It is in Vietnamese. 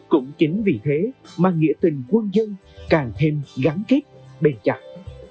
cũng chính vì thế mà nghĩa tình quân dân càng thêm gắn kết bền chặt